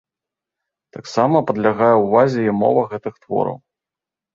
Таксама падлягае ўвазе і мова гэтых твораў.